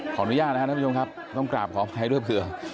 ขออนุญาตนะครับท่านผู้ชมครับต้องกราบขออภัยด้วยเผื่อ